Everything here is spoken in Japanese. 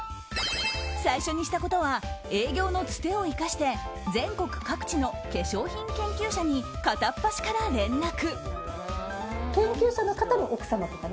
最初にしたことは営業のつてを生かして全国各地の化粧品研究者に片っ端から連絡。